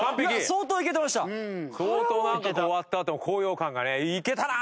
相当終わったあとの高揚感がね「いけたな！」